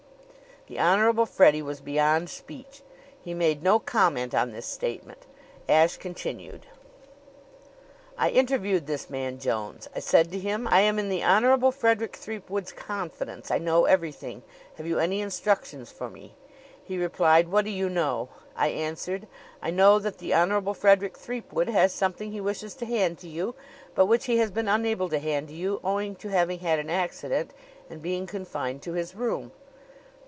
The Honorable Freddie was beyond speech. He made no comment on this statement. Ashe continued: "I interviewed this man Jones. I said to him: 'I am in the Honorable Frederick Threepwood's confidence. I know everything. Have you any instructions for me?' He replied: 'What do you know?' I answered: 'I know that the Honorable Frederick Threepwood has something he wishes to hand to you, but which he has been unable to hand to you owing to having had an accident and being confined to his room.'